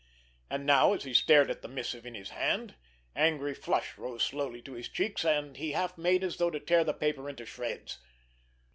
And now as he stared at the missive in his hand, angry flush rose slowly to his cheeks, and he half made as though to tear the paper into shreds.